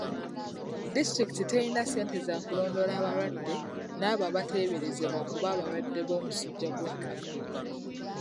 Disitulikiti telina ssente za kulondoola abalwadde n'abo abateeberezebwa okuba abalwadde b'omusujja gw'enkaka.